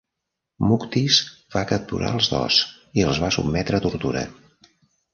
Muktis va capturar als dos i els va sotmetre a tortura.